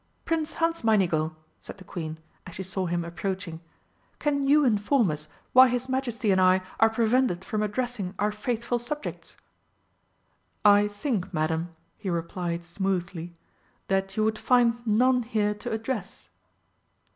"Prince Hansmeinigel!" said the Queen, as she saw him approaching, "can you inform us why his Majesty and I are prevented from addressing our faithful subjects?" "I think, Madam," he replied smoothly, "that you would find none here to address."